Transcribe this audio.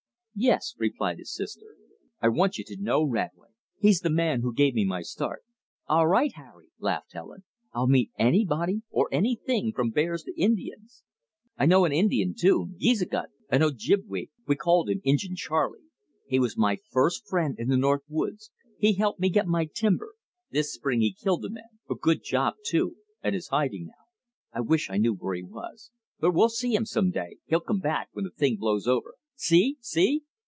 "Yes," replied his sister. "I want you to know Radway. He's the man who gave me my start." "All right, Harry," laughed Helen. "I'll meet anybody or anything from bears to Indians." "I know an Indian too Geezigut, an Ojibwa we called him Injin Charley. He was my first friend in the north woods. He helped me get my timber. This spring he killed a man a good job, too and is hiding now. I wish I knew where he is. But we'll see him some day. He'll come back when the thing blows over. See! See!"